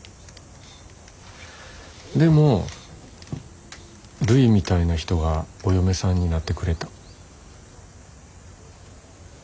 でもるいみたいな人がお嫁さんになってくれた。